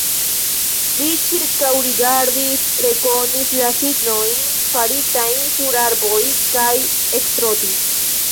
Li ĉirkaŭrigardis, rekonis la signojn, faritajn sur arboj kaj ektrotis.